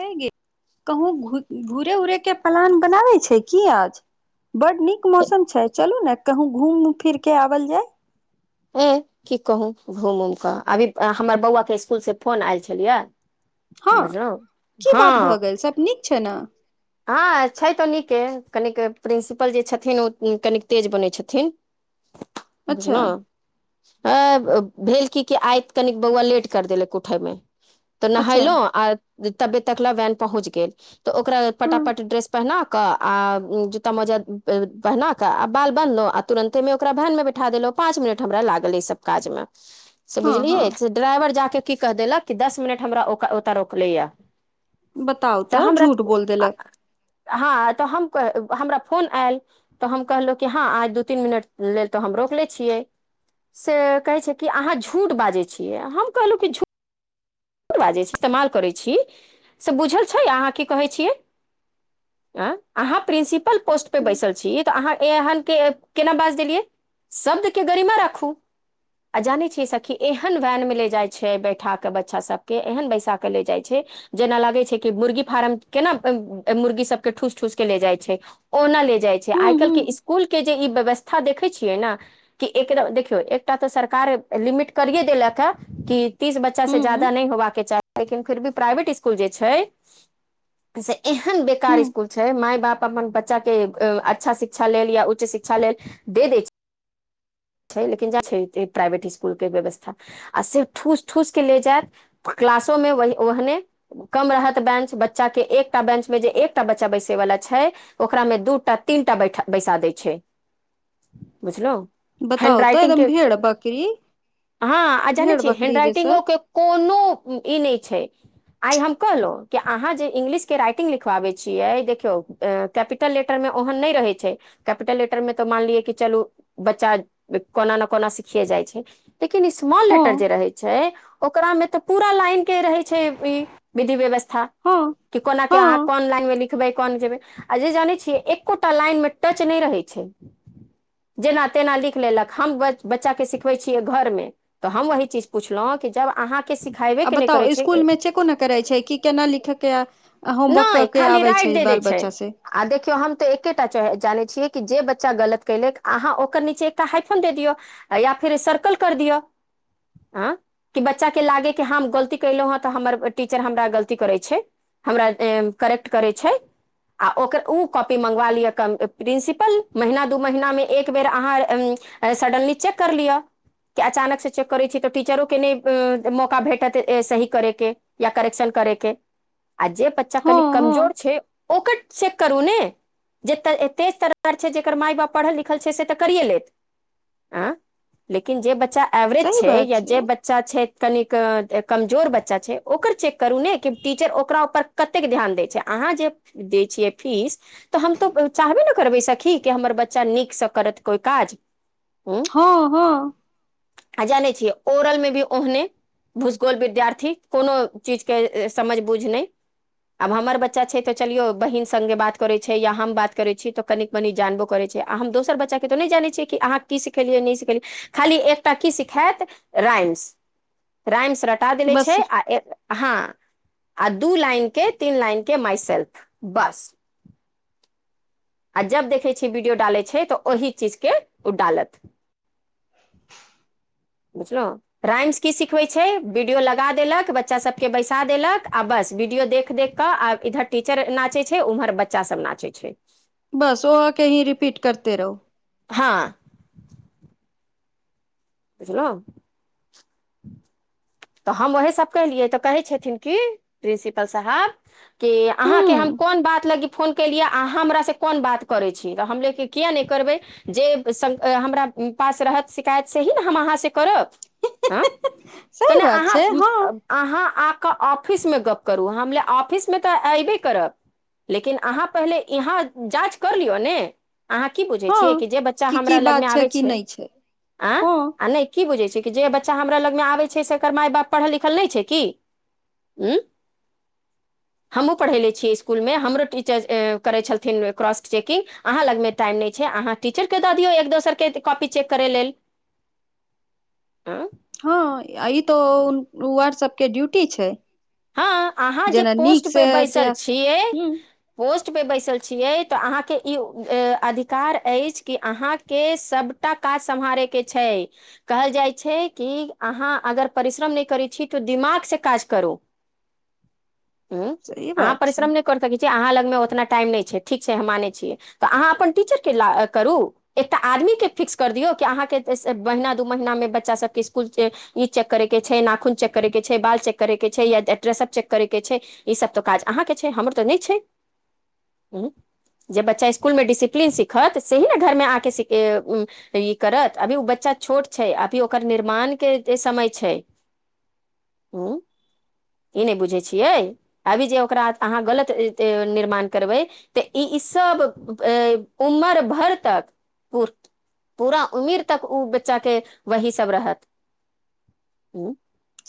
हे गे कहूँ घूरे उरे के प्लान बनाबे छै की आज बड नीक मौसम छै चलू ने कहुँ घूम फिरके आबल जाय ऐह की कहू घुम उम कऽ अभी हमर बौआ के स्कुल से फोन आयल छलियै हँ बुझलहु की बात भऽ हँ गेल सब नीक छै न हँ छै तऽ नीके कनिक प्रिंसिपल जे छथिन ओ कनिक तेज बनैत छथिन अच्छा बुझलौ ह भेल की कि आइत कनिक बौआ लेट कर देलक उठयमे त अच्छा नहलो आ तबे तकले वैन पहुँच गेल तऽ ओकरा हँ पटा पट ड्रेस पहिनाकऽ आ जूत्ता मोजा पहिनाकऽ आ बाल बन्हलहुँ आ तुरन्तेमे ओकरा भैनमे बैठा देलहुँ पांच मिनट हमरा लागल ई सब काज में से हँ हँ बुझलियै से ड्राइवर जा कऽ की कहि देलक कि दस मिनट हमराकरा ओतय रोकलैए बताउ तऽ झूठ बोल देलक हँ तऽ हम कह हमरा फोन आयल तऽ हम कहलहुँ कि हँ आइ दू तीन मिनट लेट तऽ हम रोकले छियै से कहे छै की अहाँ झूठ बाजे छिये हम कहलु कि झूठ बाजै छी इस्तेमाल करै छी से बुझल छै अहाँ की कहै छियै अ अहाँ प्रिंसिपल पोस्ट पे बैसल छी तऽ अहाँ एहन के केना बाज देलियै शब्द के गरीमा राखू आ जाने छी सखी एहन भैन मे ले जाय छै बैठा के बच्च बच्चा सबके ऐहन बैसा कऽ ले जाइ छै जेना लागे छै कि मुर्गी फारम केना मुर्गी सब के ठूस ठूस के ले जाइ छै ओना ले जाइ छै आइ हूँ काल्हिके हूँ इस्कुल के जे ई व्यवस्था देखै छियै ने कि एकर एकदम देखियौ एकटा त सरकार लिमिट करिए देलक हँ कि तीस बच्चा से जा हूँ रहवाके चाही लेकिन फिर भी प्राइवेट इसकुल जे छै से एहन बेकार हूँ स्कुल छै माय बाप अपन बच च्चा के अच्छा शिक्षा लेल या उच्च शिक्षा लेल दे दे छै छै लेकिन जा छै प्राइवेट इसकुल के व्यवस्था आ सिर्फ ठूस ठूस के ले जायत क्लासो में वही ओहने कम रहत बेंच बच्चा के एकटा बेंच मे जे एकटा बच्चा बैसै वला छै ओकरामे दूटा तीनटा बैठा बैसा दै छै बुझलऊँ बताउ त एकदम भेड़ बकरी हँ आ जानै भेड़ छियै बकरी जैसन हेंडराइटिंगो के कोनो ई नै छै आइ हम कहलऊं कि अहाँ जे इंग्लिश के राइटिंग लिखबाबे छियै देखियौ अ कैपिटल लेटर मे ओहन नहि रहै छै कैपिटल लेटर मे त मानलियै कि चलू बच्चा कोना ने कोना सिखियए जाइ छै लेकिन स्मॉल हँ लेटर जे रहै छै ओकरा में त पूरा लाइन के रहे छै ई विधि व्यवस्था हँ कि कोना के अहाँ हँ कोन लाइन मे लिखबै कोन जेबै आ जे जानै छियै एकोटा लाइन मे टच नहि रहै छै जेना तेना लिख लेलक हम बच्चा के सिखबै छियै घर मे त हम वहि चीज पुछलहुँ कि जब अहाँके के सिखाइ आ बताउ इसकुलमे चेको ने करै छै कि केना लिखयके आ होमबक क नहि के खाली आबै राइट छै दे दै बाल बच्चा से आ देखियौ हम तऽ एकेटा जानै छियै कि जे बच्चा गलत कैलक अहाँ ओकर नीचे एकटा हाइफन दे दियौ या फिर सर्कल कर दियौ हँ कि बच्चा के लागे कि हम गलती कैलहुँ त हमर टीचर हमरा गलती करै छै हमरा ए करैेक्ट करै छै आ ओकर उ कॉपी मंगवा लिअ कम प्रिंसिपल महीना दू महीना मे एक बेर अहाँ अ सडनली चेक कर लिअ कि अचानक से चेक करै छी त टीचरोके नहि मौका भेटत सही करैके या करेक्शन करैके आ जे बच्चा हँ कनि हँ कमजोर छै ओकट चेक करू ने जे तेज तरार छै जेकर माय बाप पढ़ल लिखल छै से तऽ करिए लेत किन जे बच्चा एवरेज सही छै बात या जे बच् चा छै कनिक कमजोर बच्चा छै ओकर चेक करू ने कि टीचर ओकरा उपर कत्तेक ध्यान दै छै अहाँ जे दै छियै फीस तऽ हम त चाहबे ने करबै सखी कि हमर बच्चा नीक स करत कोइ काज ह्म हँ हँ आ जानै छियै ओरल मे भी ओहने भूसकोल विद्यार्थी कोनो चीज के समझ बुझ नहि आब हमर बच्चा छै तऽ चलियो बहिन संगे बात करे छै या हम बात करै छी त कनीक मनी जानबो करे छै आ हम दोसर बच्चा के तो नहि जानै छियै कि अहाँ की सिखेलियै नहि सिखेलियै खाली एकटा की सिखैत राइम्स राइम्स रटा देले बस छै आ एक आ हँ आ दू लाइन के तीन लाइन के माइ सेेल्फ बस आ जब देखै छियै वीडियो डालै छै तऽ ओहि चीज के उ डालत बुझलौं राइम्स की सिखबै छै बीडियो लगा देलक बच्चा सबके बैसा देलक आ बस बीडियो देख देख क आब इधर टीचर नाचैे छै उम्हर बच्चा सब नाचै छै बस ओ आके ही रिपीट करते रहो हँ बुझलौ तऽ हम ओएहीसभ केलियै तऽ कहै छथिन कि प्रिंसिपल साहाब कि अहाँके हम हूँ कोन बात लागी फोन केलियै अहाँ हमर से कोन बात करै छी तऽ हम लेे की किए नइ करबै जे हमरा पास रहत शिकायत सेही ने हम अहाँ से करब हँ त सही ने बात अहाँ छै हँ अब अहाँ आकेऽ ऑफिस म गप्प करू हम ले ऑफिस मे तऽ एऐबे करब लेकिन अहाँ पहिले इहाँ जाँच कर लियौ ने अहाँ की बुझै छियै हँ कि जे बच्चा की हमरा की लग मे बात आबे की छै नहि आ हँ आ ने कि बुझे छै कि जे बच्चा हमरा लग मे आबे सेकर माय बाप पढ़ल लिखल नहि छै कि उ [inaudible] हमहूँ पढ़ेले छियै इसकुलमे हमरो टीचर करैत छलथिन क्रॉस चेकिंग अहाँ लगमे टाइम नहि छै अहाँ टीचरकेँ दऽ दियौ एक दोसरके कॉपी चेक करै लेल [inaudible] [inaudible] हँ ई तऽ वार्ड सबके ड्यूटी छै हँ अहाँ जे जेना नीक पोस्ट पे से जे बैसल ह छियै पोस्टपे बैसल छियै तऽ अहाँके ई अधिकार अछि कि अहाँके सभ टा काज सम्हारे के छै कहल जाइ छै कि अहाँ अगर परिश्रम नहि करै छी तऽ दिमाग से काज करू ह सही अहाँ बात छै परिश्रम ने कर सकै अाँ लगमे ओतना टाइम नहि छै ठीक छै हम मानै छियै तऽ अहाँ अपन टीचर ला करू एकटा आदमीकेँ फिक्स कर दियौ कि अहाँके महीना दू महीनामे बच्चासभके इस्कुल के ई चेक करे के छै नाखून चेक करे के छै बाल चेक करे के छै या ड्रेस्प चेक करैके छै ई सब तऽ काज अहाँके छै हमर तऽ नहि छै जे बच्चा इस्कुलमे डिसिप्लीन सीखत सेही ने घरमे आके सीखै [unintelligible] ई करत अभी ओ बच्चा छोट छै अभी ओकर निर्माण के जे समय छै उ ई नै बुझै छियै अभी जे ओकरा अहाँ गलत निर्माण करबै तऽ ई सब उमर भर तक पु पूरा उमीर तक ओ बच्चाे के वही सब रहत उ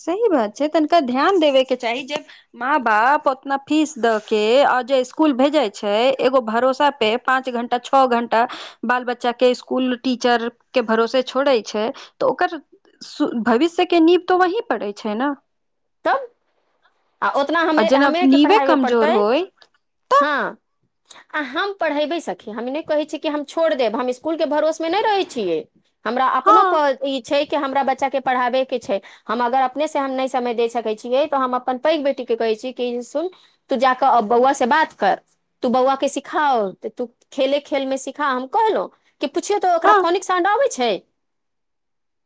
सही बात छै तनिका ध्यान देबेके चाही जे माँ बाप ओतना फीस दअ के आ जे स्कूल भेजे छै एगो भरोसा पे पाँच घण्टा छौ घण्टा बाल बच्चा के स्कुल टीचर के भरोसे छोड़ै छै तऽ ओकर सूर भविष्यके नीव तऽ वही पड़ैत छै न तब आ ओतना आ हमे जेना हमेरके नीवे पढाबे कमजोर पड़तै होय तऽ हँ आ हम पढ़ेबे सखी हम इ नै कहै छी कि हम छोड़ देब हम इसकुल के भरोसे मे नहि रहै छियै हमरा हँ अपनो पर ई छै हमरा बच्चा के पढ़ाबै के छै हम अगर अपने से हम नहि समय दे सकै छियै तऽ हम अप अपन पैघ बेटी के कहै छी कि सुन तू जाकऽ बौआ से बात कर तू बौआ के सिखा तऽ तू खेले खेलमे सिखा हम कहलहुँ की पुछियौ तऽ ओकरा हँ फोनिक साण्ड अबै छै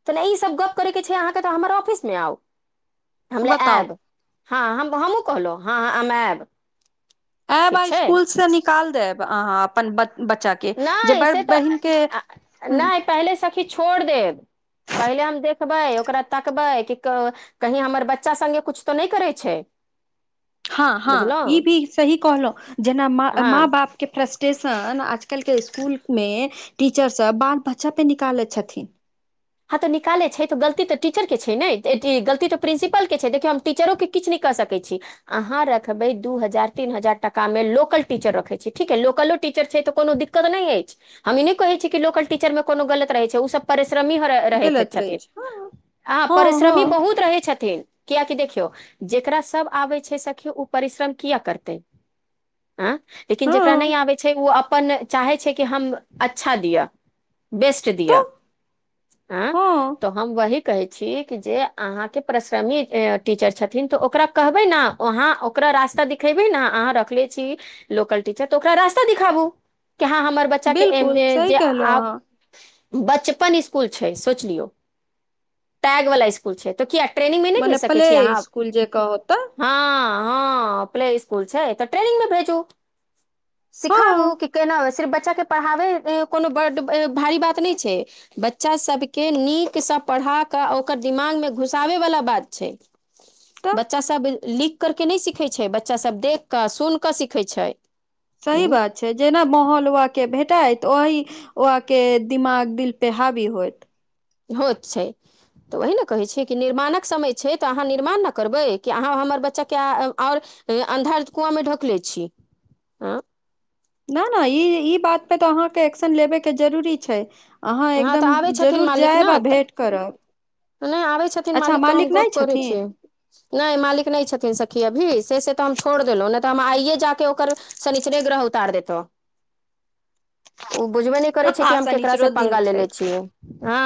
तऽ नहि ई सब गप करैके छै अहाँके तऽ हमर ऑफिसमे आउ हम ले बताउ आयब हँ हम हमहूँ कहलहुँ हँ हम आयब आयब आ ठीक छै स्कूल से निकाल देब अहाँ अपन बच्चा के जे नहि बड़ बहिन के ह पेहले सखी छोर देब पहिले हम देखबै ओकरा तकबै की क कही हमर बच्चा सङ्गे कुछ तऽ नहि करै छै हँ हँ ई बुझलहुँ भी सही कहलहुँं जेना मा हँ माँ बाप के फ्रस्टेशन आजकलके इसकुलमे टीचरसभ बाल बच्चापे निकालैत छथिन हँ तऽ निकाले छै तऽ गलती तऽ टीचर के छै ने गलती तऽ प्रिंसिपल के छै देखियौ हम टीचरो के किछ नै क सकै छी अहाँ रखबै दू हजार तीन हजार टाकामे लोकल टीचर रखै छी ठीक है लोकलो टीचर छै तऽ कोनो दिक्कत दिक्कत नइ अछि हम ई नहि कहै छीय कि लोकल टीचर मे कोनो गलत रहै छै ओ सब परिश्रमी र रहैत गलत रहै छथिन छै हँ आहा हँ परिश्रमी हँ बहुत रहै छथिन कियाकि देखियौ जेकरा सब आबै छै सखि ओ परिश्रम किया करतै आँ लेकिन जकरा हँ नहि आबै छै ओ अपन चाहै छै कि हम अच्छा दिअ बेस्ट दिया तऽ ए हँ त हम वहि कहै छी कि जे अहाँके परिश्रमी टीचर छथिन तऽ ओकरा कहबै न वहाँ ओकरा रास्ता दिखेबै ने अहाँ रखले छी लोकल टीचर तऽ ओकरा रास्ता दिखाबू के आहाँ हमर बच्चा बिलकुल के सही जे कहलहुँ आब अहाँ बचपन स्कुल छै सोच लियौ टैग वला स्कुल तऽ कियै ट्रेनिंग में नै मने भेज सके प्ले छियै अहां स्कुल जे कहो तऽ हँ हँ प्ले इसकुल छै तऽ ट्रेनिंग में भेजू [inaudible] सिखाबू कि केना सिर्फ बच्चा के पढ़ाबै कोनो बड्ड भारी बात नहि छै बच्चासभके नीकसँ पढ़ा कऽ आ ओकर दिमागमे घुसाबैवला बात छै तऽ बच्चा सब लिख कर के नहि सिखै छै बच्चा सभ देख कऽ सुन कऽ सिखै छै सही बात जेना माहौल वहा के भेटैत ओहि वह के दिमाग दिलपे हाबी होइत होत छै तऽ ओही ने कहैत छियै कि निर्माणक समय छै तऽ अहाँ निर्माण ने करबै कि अहाँ हमर बच्चाके आओर अन्धार कुआंमे ढकले छी हँ [inaudible] न न ई ई बात पे तऽ अहाँके एक्शन लेबे के जरूरी छै अहाँ यहाँ तऽ एकदम आबै छथिन जरूर मालिक जायब ने आ तऽ भेँट करब नहि आबै छथिन अच्छा तऽ हम मालिक नहि गप करै छियै छथिन नहि मालिक नहि छथिन सखी अभी से से तऽ हम छोड़ देलहुॅँ नहि तऽ हम आइयए जाके ओकर शनिचर ग्रह उतार देतौं [inaudible] ओ बुझबे नहि करै छै कि हँ हम केकरास से शनिचरो दिन पंगा छै लेे छियै हँ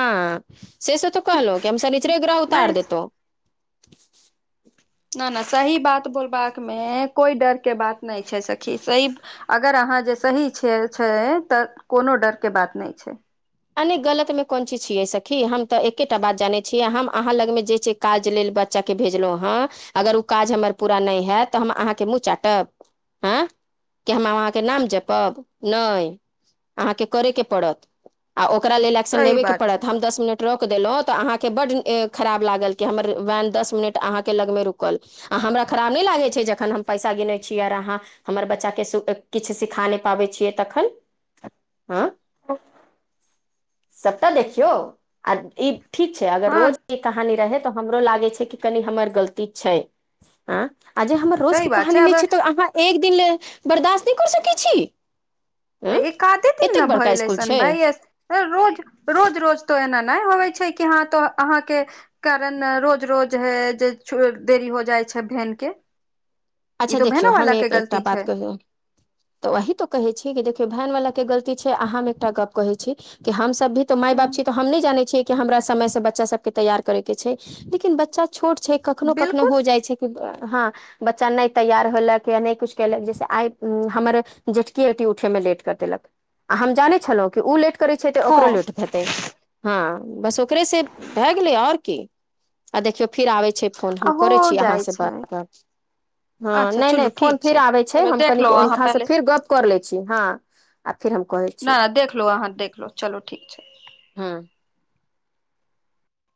से से तऽ कहलो कि हम शनिचरे ग्रह उतार नहि देतौ न न सही बात बोलबाक मे कोइ डर के बात नहि छै सखी सही अगर अहाँ जे सही छियै छै तऽ कोनो डर के बात नहि छै आ नहि गलत में कोन चीज छियै सखि हम तऽ एकेटा बात जानै छीयै हम अहाँ लगमे जे छै काज लेल बच्चाके भेजलहुँ हेँ अगर ओ काज हमर पूरा नहि हयत तऽ हम अहाँके मुँह चाटब आँ [inaudible] कि हम अहाँके नाम जपब नहि अहाँके करयके पड़त आ ओकरा लेल एक्शन सही लेबे के बात छै पड़त हम दस मिनट तऽ रोक देलहुँ तऽ अहाँकेँ बड्ड खराब लागल कि हमर वैन दस मिनट अहाँके लगमे रूकल आ हमरा खराब नहि लागै छै जखन हम पैसा गिने छियै आर अहाँ हमर बच्चाके किछु सिखा नहि पाबै छियै तखन हँ सबटा देखियौ आ ई ठीक छै अगर हँ रोज ई कहानी रहै तऽ हमरो लागे छै कि कनि हमर गलती छै आ आ जे हमर सही रोजके बात कहानी नहि आब छै तऽ अहाँ एक दिन ल बर्दाश्त नहि कर सकै छी एकाधे दिन ने एतेक बड़का भय इसकुल लैसन छै भइ यस रोज रोज रोज त एना नहि होवे छै कि हँ तो अहाँके कारण रोज रोज है जे देरी हो जाइ छै बेनक के ई अच्छा तो देखियौ भेनो हम वाला के एकटा गलती बात छै कर तऽ वही तो कहे छी कि देखियौ भैन वाला के गलती छै अह हम एकटा गप कहै छी कि हम हम सभ भी तऽ माय ह बाप छी तऽ हम नहि जान छी हमरा समय से बच्चा सब के तैयार करे के छै लेकिन बच्चा छोट छै कखनो कखनो बिलकुल हो जाइ छै हँ बच्च चाय नहि तैयार होलक या नहि कुछ कयेलक जैसे आइ हमर जेठकी उठैय मे लेट कर देलक आ हम जानैत छलहुँ कि ओ लेट करैत छै तऽ ओकरो हँ लेट हेतै हँ बस ओकरे से भए गेलै आओर की आ देखियौ फिर आबे छै फोन आ हम हो करै छी जाइ अहाँसँ छै बात हँ अच्छा नहि नहि चलू फोन ठीक फिर आबै छै चलो हम देख कनि लो अहाँ हुनकासँ पहिले फेर गप्प कर लै छी हँ आ फिर हम कहै छी नहि देखलो अहाँ देखलो चलो ठीक छै हँ